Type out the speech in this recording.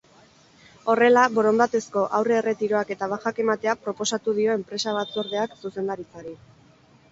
Horrela, borondatezko aurre-erretiroak eta bajak ematea proposatu dio empresa-batzordeak zuzendaritzari.